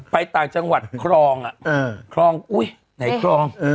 ต่างจังหวัดครองคลองอุ๊ยไหนครอง